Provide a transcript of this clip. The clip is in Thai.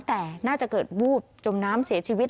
แต่น่าจะเกิดวูบจมน้ำเสียชีวิต